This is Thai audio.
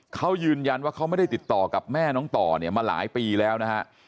เขายืนยันว่าเขาไม่ได้ติดต่อกับแม่น้องต่อเนี่ยมาหลายปีแล้วนะฮะ